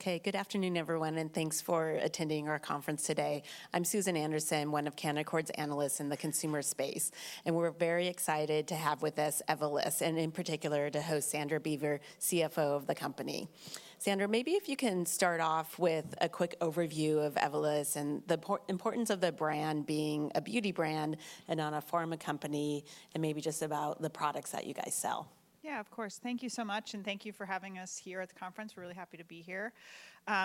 Okay, good afternoon, everyone, and thanks for attending our conference today. I'm Susan Anderson, one of Canaccord's analysts in the consumer space, and we're very excited to have with us Evolus, and in particular, to host Sandra Beaver, CFO of the company. Sandra, maybe if you can start off with a quick overview of Evolus and the importance of the brand being a beauty brand and not a pharma company, and maybe just about the products that you guys sell? Yeah, of course. Thank you so much, and thank you for having us here at the conference. We're really happy to be here.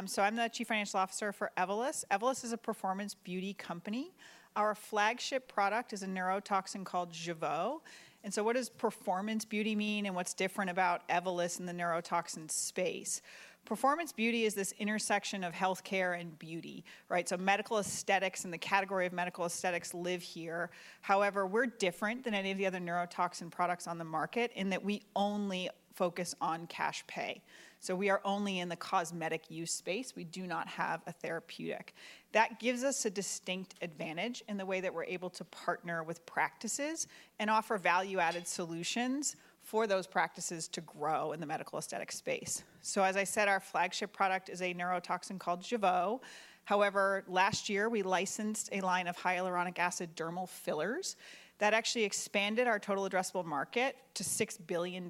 So I'm the Chief Financial Officer for Evolus. Evolus is a performance beauty company. Our flagship product is a neurotoxin called Jeuveau. And so what does performance beauty mean, and what's different about Evolus in the neurotoxin space? Performance beauty is this intersection of healthcare and beauty, right? So medical aesthetics and the category of medical aesthetics live here. However, we're different than any of the other neurotoxin products on the market in that we only focus on cash pay. So we are only in the cosmetic use space. We do not have a therapeutic. That gives us a distinct advantage in the way that we're able to partner with practices and offer value-added solutions for those practices to grow in the medical aesthetic space. So as I said, our flagship product is a neurotoxin called Jeuveau. However, last year, we licensed a line of hyaluronic acid dermal fillers that actually expanded our total addressable market to $6 billion.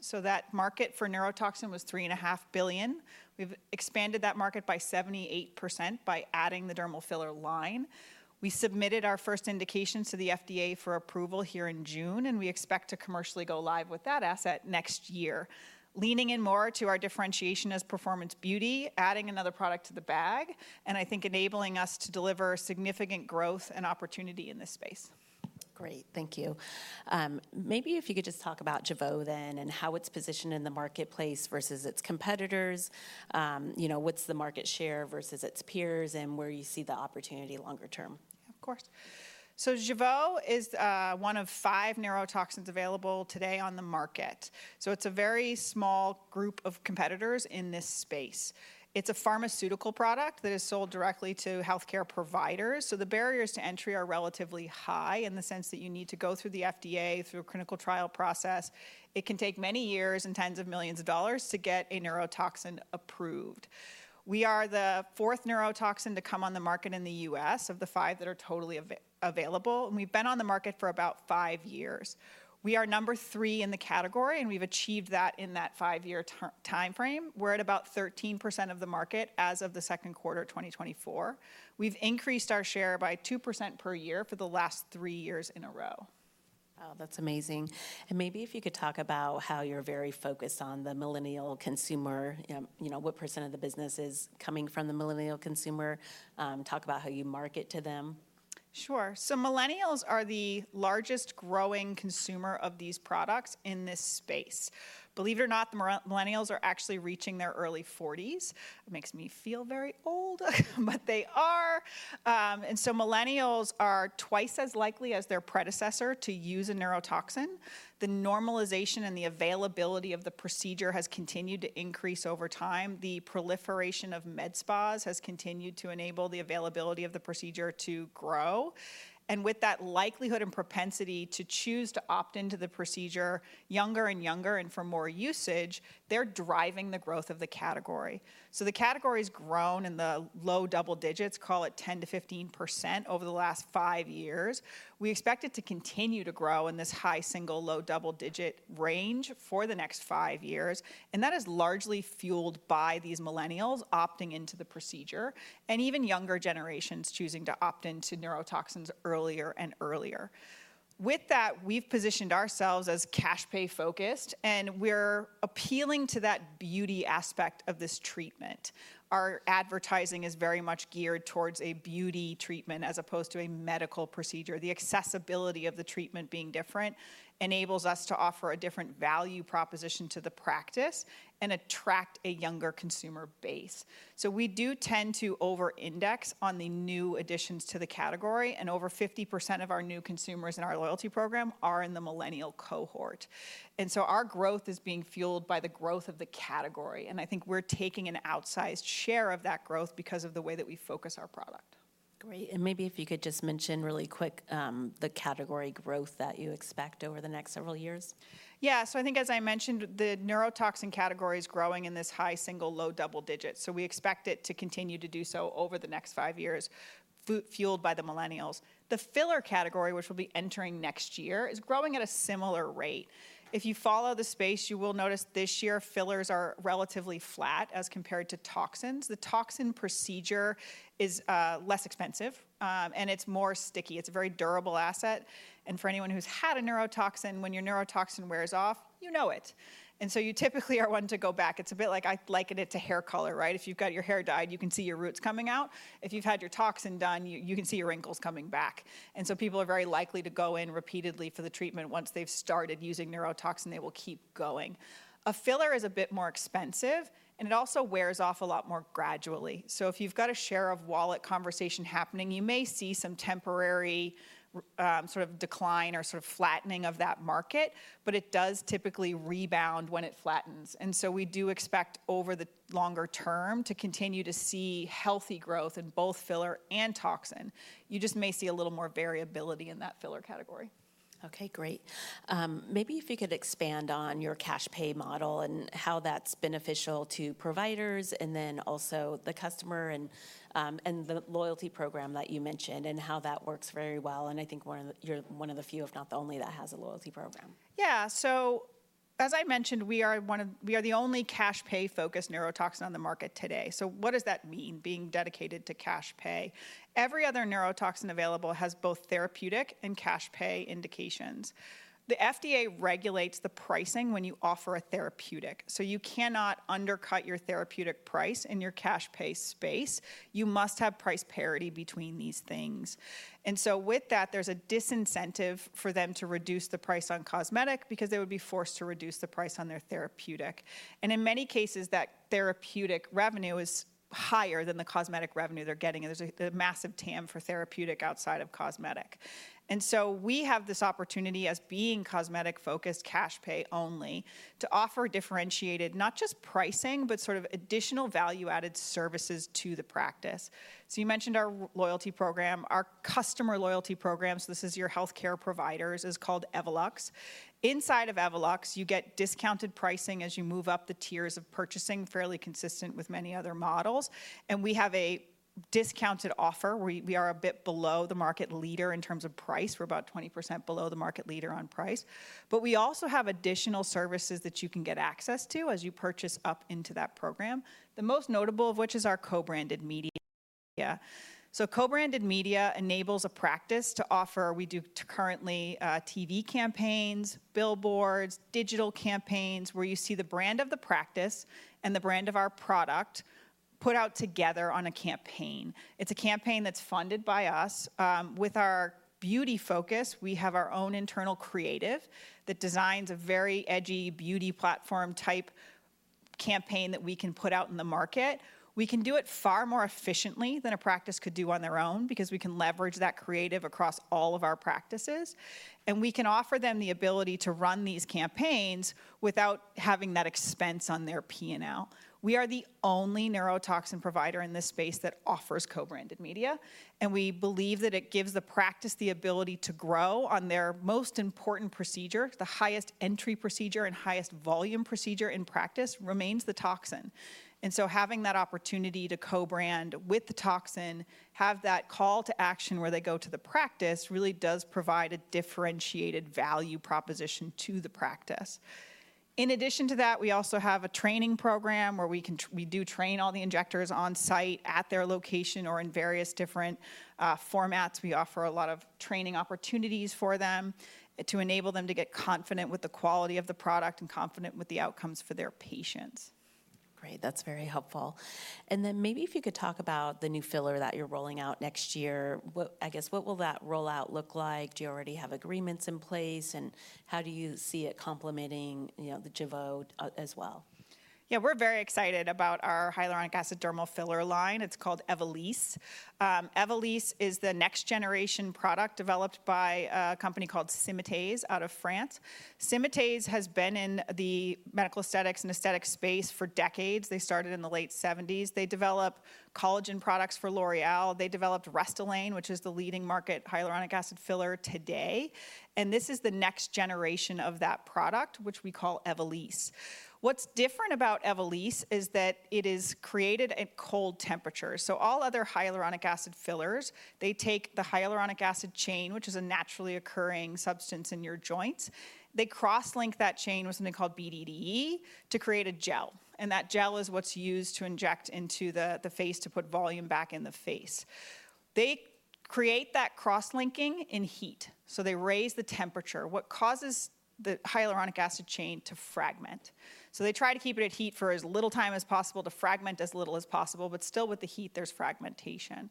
So that market for neurotoxin was $3.5 billion. We've expanded that market by 78% by adding the dermal filler line. We submitted our first indications to the FDA for approval here in June, and we expect to commercially go live with that asset next year, leaning in more to our differentiation as performance beauty, adding another product to the bag, and I think enabling us to deliver significant growth and opportunity in this space. Great, thank you. Maybe if you could just talk about Jeuveau then, and how it's positioned in the marketplace versus its competitors. You know, what's the market share versus its peers, and where you see the opportunity longer term? Yeah, of course. So Jeuveau is one of 5 neurotoxins available today on the market, so it's a very small group of competitors in this space. It's a pharmaceutical product that is sold directly to healthcare providers, so the barriers to entry are relatively high in the sense that you need to go through the FDA, through a clinical trial process. It can take many years and $tens of millions to get a neurotoxin approved. We are the fourth neurotoxin to come on the market in the U.S. of the 5 that are totally available, and we've been on the market for about 5 years. We are number 3 in the category, and we've achieved that in that 5-year timeframe. We're at about 13% of the market as of the second quarter, 2024. We've increased our share by 2% per year for the last 3 years in a row. Oh, that's amazing. Maybe if you could talk about how you're very focused on the millennial consumer. You know, what percent of the business is coming from the millennial consumer? Talk about how you market to them. Sure. So millennials are the largest growing consumer of these products in this space. Believe it or not, the millennials are actually reaching their early forties. It makes me feel very old, but they are. And so millennials are twice as likely as their predecessor to use a neurotoxin. The normalization and the availability of the procedure has continued to increase over time. The proliferation of med spas has continued to enable the availability of the procedure to grow, and with that likelihood and propensity to choose to opt into the procedure younger and younger and for more usage, they're driving the growth of the category. So the category's grown in the low double digits, call it 10%-15%, over the last five years. We expect it to continue to grow in this high single-digit, low double-digit range for the next five years, and that is largely fueled by these millennials opting into the procedure, and even younger generations choosing to opt into neurotoxins earlier and earlier. With that, we've positioned ourselves as cash pay focused, and we're appealing to that beauty aspect of this treatment. Our advertising is very much geared towards a beauty treatment as opposed to a medical procedure. The accessibility of the treatment being different enables us to offer a different value proposition to the practice and attract a younger consumer base. So we do tend to over-index on the new additions to the category, and over 50% of our new consumers in our loyalty program are in the millennial cohort. Our growth is being fueled by the growth of the category, and I think we're taking an outsized share of that growth because of the way that we focus our product. Great, and maybe if you could just mention really quick, the category growth that you expect over the next several years. Yeah. So I think, as I mentioned, the neurotoxin category is growing in this high single, low double digits, so we expect it to continue to do so over the next 5 years, fueled by the millennials. The filler category, which we'll be entering next year, is growing at a similar rate. If you follow the space, you will notice this year fillers are relatively flat as compared to toxins. The toxin procedure is less expensive, and it's more sticky. It's a very durable asset. And for anyone who's had a neurotoxin, when your neurotoxin wears off, you know it, and so you typically are wanting to go back. It's a bit like... I liken it to hair color, right? If you've got your hair dyed, you can see your roots coming out. If you've had your toxin done, you can see your wrinkles coming back. People are very likely to go in repeatedly for the treatment. Once they've started using neurotoxin, they will keep going. A filler is a bit more expensive, and it also wears off a lot more gradually. So if you've got a share of wallet conversation happening, you may see some temporary sort of decline or sort of flattening of that market, but it does typically rebound when it flattens. We do expect over the longer term to continue to see healthy growth in both filler and toxin. You just may see a little more variability in that filler category. Okay, great. Maybe if you could expand on your cash pay model and how that's beneficial to providers, and then also the customer and, and the loyalty program that you mentioned, and how that works very well, and I think you're one of the few, if not the only, that has a loyalty program. Yeah. As I mentioned, we are the only cash pay-focused neurotoxin on the market today. So what does that mean, being dedicated to cash pay? Every other neurotoxin available has both therapeutic and cash pay indications. The FDA regulates the pricing when you offer a therapeutic, so you cannot undercut your therapeutic price in your cash pay space. You must have price parity between these things. And so with that, there's a disincentive for them to reduce the price on cosmetic because they would be forced to reduce the price on their therapeutic, and in many cases, that therapeutic revenue is higher than the cosmetic revenue they're getting, and there's the massive TAM for therapeutic outside of cosmetic. And so we have this opportunity as being cosmetic-focused cash pay only, to offer differentiated, not just pricing, but sort of additional value-added services to the practice. So you mentioned our loyalty program. Our customer loyalty programs, this is your healthcare providers, is called Evolux. Inside of Evolux, you get discounted pricing as you move up the tiers of purchasing, fairly consistent with many other models, and we have a discounted offer, where we are a bit below the market leader in terms of price. We're about 20% below the market leader on price. But we also have additional services that you can get access to as you purchase up into that program, the most notable of which is our co-branded media. So co-branded media enables a practice to offer... We do currently TV campaigns, billboards, digital campaigns, where you see the brand of the practice and the brand of our product put out together on a campaign. It's a campaign that's funded by us. With our beauty focus, we have our own internal creative that designs a very edgy beauty platform-type campaign that we can put out in the market. We can do it far more efficiently than a practice could do on their own because we can leverage that creative across all of our practices, and we can offer them the ability to run these campaigns without having that expense on their P&L. We are the only neurotoxin provider in this space that offers co-branded media, and we believe that it gives the practice the ability to grow on their most important procedure. The highest entry procedure and highest volume procedure in practice remains the toxin, and so having that opportunity to co-brand with the toxin, have that call to action where they go to the practice, really does provide a differentiated value proposition to the practice. In addition to that, we also have a training program where we do train all the injectors on-site, at their location, or in various different formats. We offer a lot of training opportunities for them to enable them to get confident with the quality of the product and confident with the outcomes for their patients. Great, that's very helpful. And then maybe if you could talk about the new filler that you're rolling out next year, I guess, what will that rollout look like? Do you already have agreements in place, and how do you see it complementing, you know, the Jeuveau as well? Yeah, we're very excited about our hyaluronic acid dermal filler line. It's called Evolysse. Evolysse is the next-generation product developed by a company called Symatese out of France. Symatese has been in the medical aesthetics and aesthetic space for decades. They started in the late 1970s. They develop collagen products for L'Oréal. They developed Restylane, which is the leading market hyaluronic acid filler today, and this is the next generation of that product, which we call Evolysse. What's different about Evolysse is that it is created at cold temperatures. So all other hyaluronic acid fillers, they take the hyaluronic acid chain, which is a naturally occurring substance in your joints. They cross-link that chain with something called BDDE to create a gel, and that gel is what's used to inject into the, the face to put volume back in the face. They create that cross-linking in heat, so they raise the temperature, what causes the hyaluronic acid chain to fragment. So they try to keep it at heat for as little time as possible, to fragment as little as possible, but still, with the heat, there's fragmentation.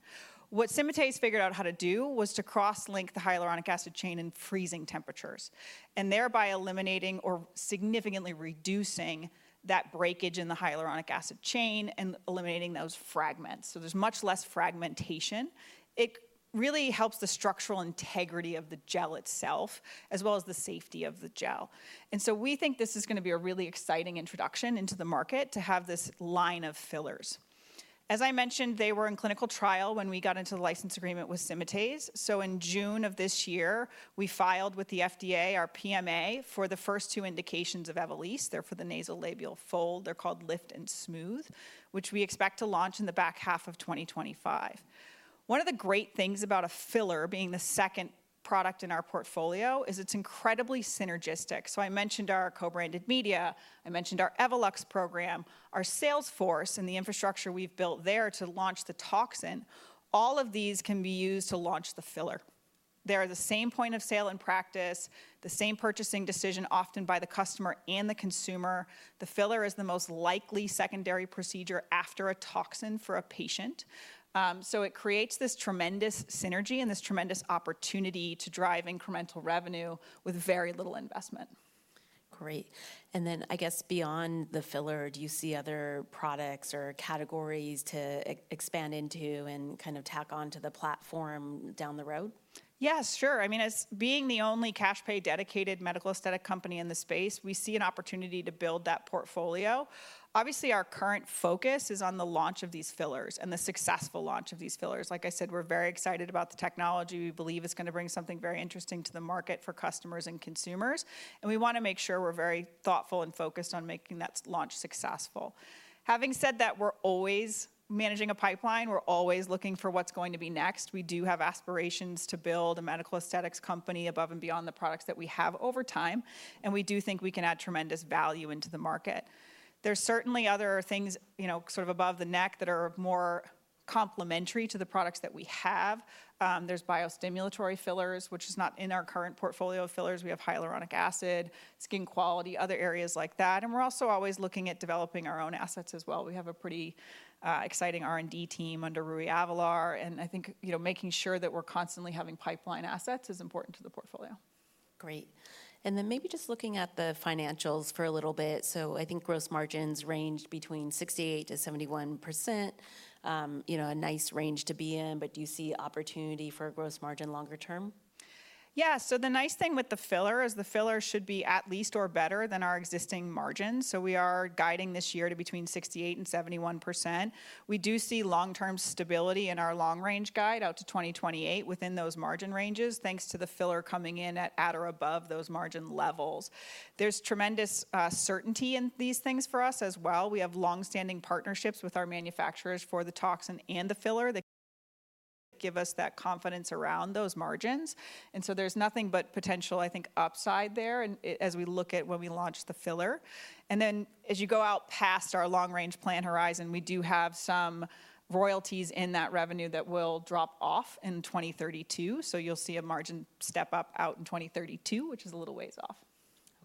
What Symatese figured out how to do was to cross-link the hyaluronic acid chain in freezing temperatures, and thereby eliminating or significantly reducing that breakage in the hyaluronic acid chain and eliminating those fragments, so there's much less fragmentation. It really helps the structural integrity of the gel itself, as well as the safety of the gel. And so we think this is gonna be a really exciting introduction into the market to have this line of fillers. As I mentioned, they were in clinical trial when we got into the license agreement with Symatese. So in June of this year, we filed with the FDA, our PMA, for the first two indications of Evolysse. They're for the nasolabial fold. They're called Lift and Smooth, which we expect to launch in the back half of 2025. One of the great things about a filler being the second product in our portfolio is it's incredibly synergistic. So I mentioned our co-branded media, I mentioned our Evolux program, our sales force, and the infrastructure we've built there to launch the toxin. All of these can be used to launch the filler. They're the same point of sale and practice, the same purchasing decision, often by the customer and the consumer. The filler is the most likely secondary procedure after a toxin for a patient. So it creates this tremendous synergy and this tremendous opportunity to drive incremental revenue with very little investment. Great. Then I guess beyond the filler, do you see other products or categories to expand into and kind of tack on to the platform down the road? Yes, sure. I mean, as being the only cash pay dedicated medical aesthetics company in the space, we see an opportunity to build that portfolio. Obviously, our current focus is on the launch of these fillers and the successful launch of these fillers. Like I said, we're very excited about the technology. We believe it's gonna bring something very interesting to the market for customers and consumers, and we wanna make sure we're very thoughtful and focused on making that launch successful. Having said that, we're always managing a pipeline. We're always looking for what's going to be next. We do have aspirations to build a medical aesthetics company above and beyond the products that we have over time, and we do think we can add tremendous value into the market. There's certainly other things, you know, sort of above the neck that are more-... Complementary to the products that we have. There's biostimulatory fillers, which is not in our current portfolio of fillers. We have hyaluronic acid, skin quality, other areas like that, and we're also always looking at developing our own assets as well. We have a pretty exciting R&D team under Rui Avelar, and I think, you know, making sure that we're constantly having pipeline assets is important to the portfolio. Great. And then maybe just looking at the financials for a little bit, so I think gross margins range between 68%-71%. You know, a nice range to be in, but do you see opportunity for a gross margin longer term? Yeah. So the nice thing with the filler is the filler should be at least or better than our existing margins, so we are guiding this year to between 68% and 71%. We do see long-term stability in our long-range guide out to 2028 within those margin ranges, thanks to the filler coming in at, at or above those margin levels. There's tremendous certainty in these things for us as well. We have long-standing partnerships with our manufacturers for the toxin and the filler that give us that confidence around those margins, and so there's nothing but potential, I think, upside there, and as we look at when we launch the filler. And then, as you go out past our long-range plan horizon, we do have some royalties in that revenue that will drop off in 2032, so you'll see a margin step-up out in 2032, which is a little ways off.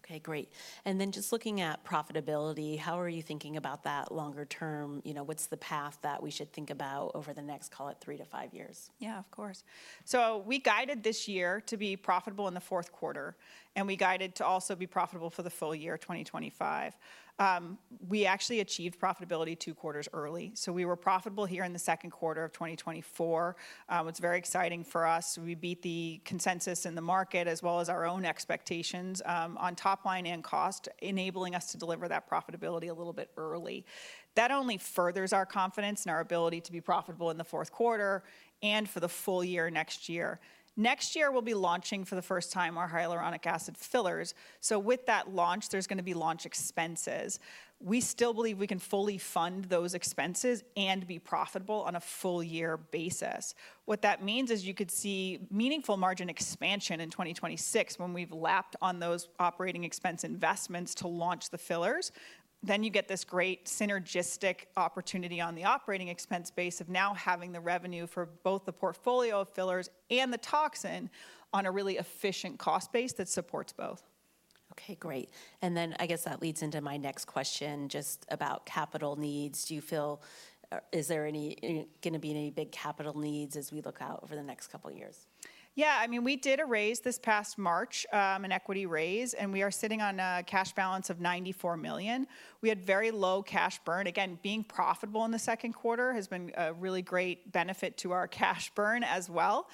Okay, great. Then just looking at profitability, how are you thinking about that longer term? You know, what's the path that we should think about over the next, call it, three to five years? Yeah, of course. So we guided this year to be profitable in the fourth quarter, and we guided to also be profitable for the full year, 2025. We actually achieved profitability two quarters early, so we were profitable here in the second quarter of 2024. It's very exciting for us. We beat the consensus in the market as well as our own expectations, on top line and cost, enabling us to deliver that profitability a little bit early. That only furthers our confidence and our ability to be profitable in the fourth quarter and for the full year next year. Next year, we'll be launching for the first time our hyaluronic acid fillers, so with that launch, there's going to be launch expenses. We still believe we can fully fund those expenses and be profitable on a full year basis. What that means is you could see meaningful margin expansion in 2026 when we've lapped on those operating expense investments to launch the fillers. Then you get this great synergistic opportunity on the operating expense base of now having the revenue for both the portfolio of fillers and the toxin on a really efficient cost base that supports both. Okay, great. And then I guess that leads into my next question, just about capital needs. Do you feel, Is there any, gonna be any big capital needs as we look out over the next couple of years? Yeah, I mean, we did a raise this past March, an equity raise, and we are sitting on a cash balance of $94 million. We had very low cash burn. Again, being profitable in the second quarter has been a really great benefit to our cash burn as well.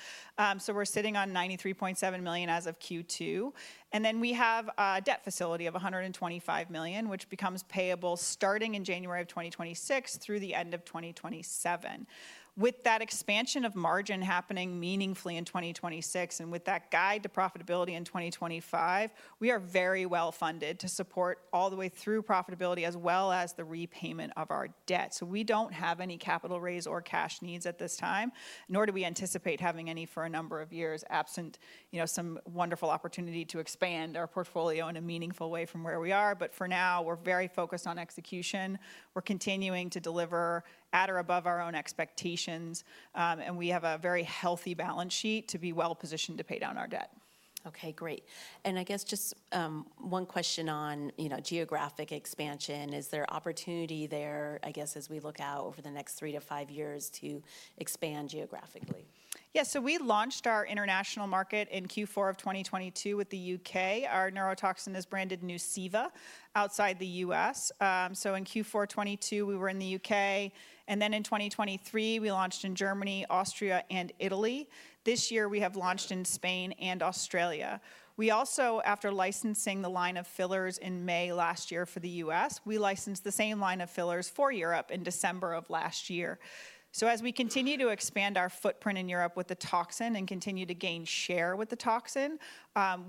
So we're sitting on $93.7 million as of Q2, and then we have a debt facility of $125 million, which becomes payable starting in January of 2026 through the end of 2027. With that expansion of margin happening meaningfully in 2026, and with that guide to profitability in 2025, we are very well funded to support all the way through profitability, as well as the repayment of our debt. So we don't have any capital raise or cash needs at this time, nor do we anticipate having any for a number of years, absent, you know, some wonderful opportunity to expand our portfolio in a meaningful way from where we are. But for now, we're very focused on execution. We're continuing to deliver at or above our own expectations, and we have a very healthy balance sheet to be well-positioned to pay down our debt. Okay, great. And I guess just, one question on, you know, geographic expansion. Is there opportunity there, I guess, as we look out over the next 3-5 years to expand geographically? Yeah. So we launched our international market in Q4 of 2022 with the U.K. Our neurotoxin is branded Nuceiva outside the U.S. So in Q4 2022, we were in the U.K., and then in 2023, we launched in Germany, Austria, and Italy. This year, we have launched in Spain and Australia. We also, after licensing the line of fillers in May last year for the U.S., we licensed the same line of fillers for Europe in December of last year. So as we continue to expand our footprint in Europe with the toxin and continue to gain share with the toxin,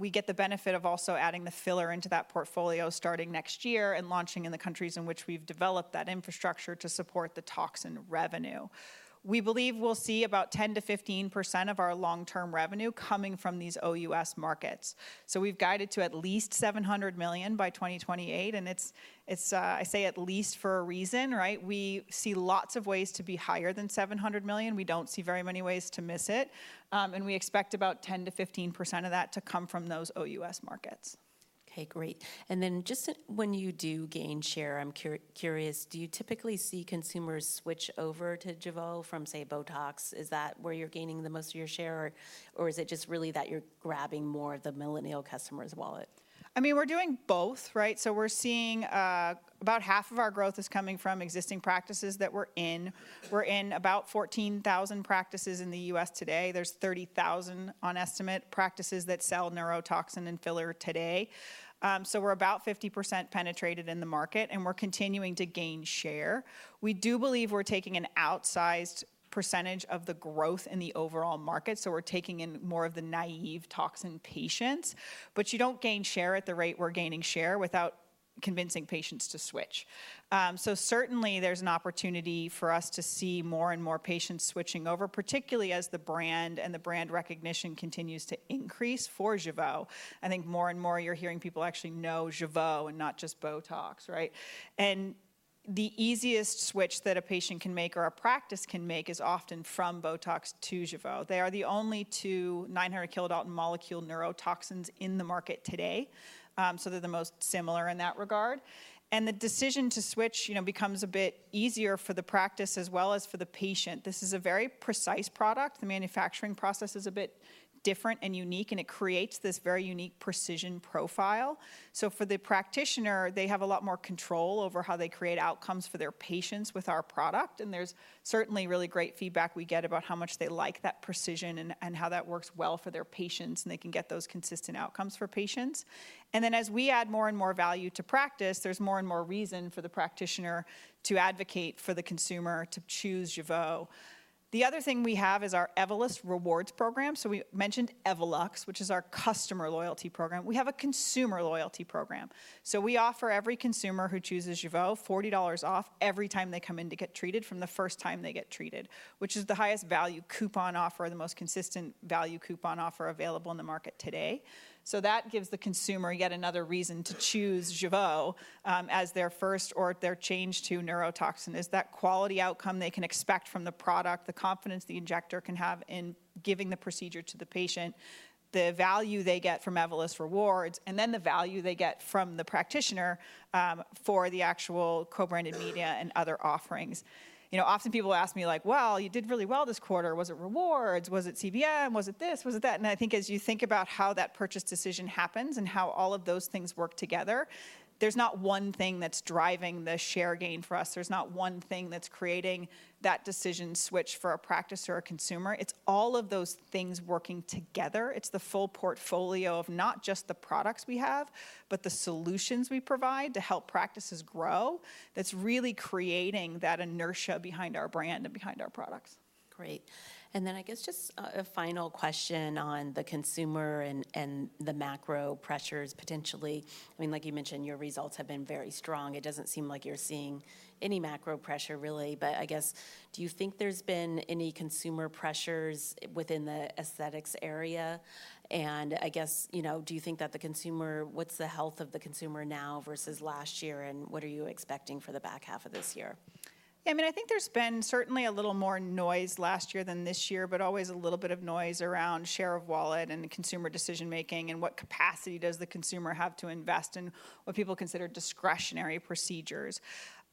we get the benefit of also adding the filler into that portfolio starting next year and launching in the countries in which we've developed that infrastructure to support the toxin revenue. We believe we'll see about 10%-15% of our long-term revenue coming from these OUS markets. So we've guided to at least $700 million by 2028, and it's, I say at least for a reason, right? We see lots of ways to be higher than $700 million. We don't see very many ways to miss it, and we expect about 10%-15% of that to come from those OUS markets. Okay, great. And then just when you do gain share, I'm curious, do you typically see consumers switch over to Jeuveau from, say, Botox? Is that where you're gaining the most of your share, or, or is it just really that you're grabbing more of the millennial customer's wallet? I mean, we're doing both, right? So we're seeing about half of our growth is coming from existing practices that we're in. We're in about 14,000 practices in the U.S. today. There's 30,000 on estimate practices that sell neurotoxin and filler today. So we're about 50% penetrated in the market, and we're continuing to gain share. We do believe we're taking an outsized percentage of the growth in the overall market, so we're taking in more of the naive toxin patients, but you don't gain share at the rate we're gaining share without convincing patients to switch. So certainly, there's an opportunity for us to see more and more patients switching over, particularly as the brand and the brand recognition continues to increase for Jeuveau. I think more and more you're hearing people actually know Jeuveau and not just Botox, right?... The easiest switch that a patient can make or a practice can make is often from Botox to Jeuveau. They are the only two 900 kilodalton molecule neurotoxins in the market today, so they're the most similar in that regard. The decision to switch, you know, becomes a bit easier for the practice as well as for the patient. This is a very precise product. The manufacturing process is a bit different and unique, and it creates this very unique precision profile. For the practitioner, they have a lot more control over how they create outcomes for their patients with our product, and there's certainly really great feedback we get about how much they like that precision and, and how that works well for their patients, and they can get those consistent outcomes for patients. Then, as we add more and more value to practice, there's more and more reason for the practitioner to advocate for the consumer to choose Jeuveau. The other thing we have is our Evolus Rewards program. So we mentioned Evolux, which is our customer loyalty program. We have a consumer loyalty program. So we offer every consumer who chooses Jeuveau $40 off every time they come in to get treated from the first time they get treated, which is the highest value coupon offer, the most consistent value coupon offer available in the market today. So that gives the consumer yet another reason to choose Jeuveau, as their first or their change to neurotoxin, is that quality outcome they can expect from the product, the confidence the injector can have in giving the procedure to the patient, the value they get from Evolus Rewards, and then the value they get from the practitioner, for the actual co-branded media and other offerings. You know, often people ask me, like, "Well, you did really well this quarter. Was it rewards? Was it CBM? Was it this? Was it that?" And I think as you think about how that purchase decision happens and how all of those things work together, there's not one thing that's driving the share gain for us. There's not one thing that's creating that decision switch for a practice or a consumer. It's all of those things working together. It's the full portfolio of not just the products we have, but the solutions we provide to help practices grow that's really creating that inertia behind our brand and behind our products. Great. And then I guess just a final question on the consumer and the macro pressures potentially. I mean, like you mentioned, your results have been very strong. It doesn't seem like you're seeing any macro pressure, really, but I guess, do you think there's been any consumer pressures within the aesthetics area? And I guess, you know, do you think that the consumer—what's the health of the consumer now versus last year, and what are you expecting for the back half of this year? Yeah, I mean, I think there's been certainly a little more noise last year than this year, but always a little bit of noise around share of wallet and consumer decision-making, and what capacity does the consumer have to invest in what people consider discretionary procedures?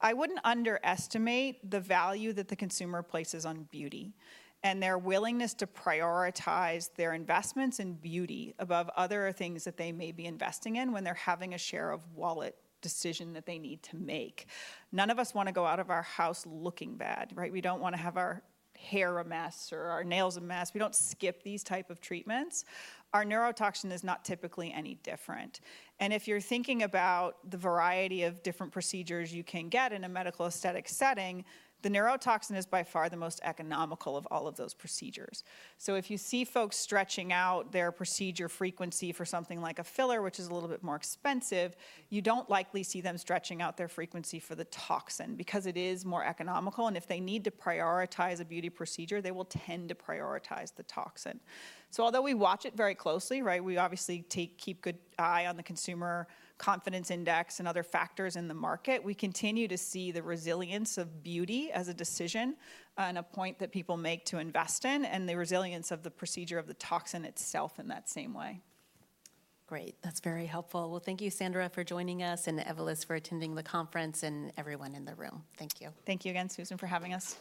I wouldn't underestimate the value that the consumer places on beauty and their willingness to prioritize their investments in beauty above other things that they may be investing in when they're having a share-of-wallet decision that they need to make. None of us want to go out of our house looking bad, right? We don't want to have our hair a mess or our nails a mess. We don't skip these type of treatments. Our neurotoxin is not typically any different. And if you're thinking about the variety of different procedures you can get in a medical aesthetic setting, the neurotoxin is by far the most economical of all of those procedures. So if you see folks stretching out their procedure frequency for something like a filler, which is a little bit more expensive, you don't likely see them stretching out their frequency for the toxin because it is more economical, and if they need to prioritize a beauty procedure, they will tend to prioritize the toxin. So although we watch it very closely, right, we obviously keep good eye on the Consumer Confidence Index and other factors in the market, we continue to see the resilience of beauty as a decision and a point that people make to invest in and the resilience of the procedure of the toxin itself in that same way. Great. That's very helpful. Well, thank you, Sandra, for joining us and Evolus for attending the conference and everyone in the room. Thank you. Thank you again, Susan, for having us.